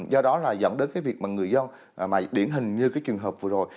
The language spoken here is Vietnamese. do đó là dẫn đến cái việc mà người dân mà điển hình như cái trường hợp vừa rồi